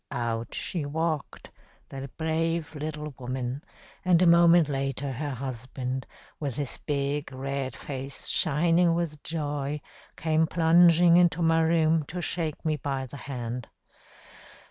Out she walked, the brave little woman, and a moment later her husband, with his big, red face shining with joy came plunging into my room to shake me by the hand.